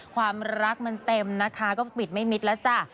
ความรักมันเต็มนะคะก็ปิดไม่มิดแล้วจ้ะ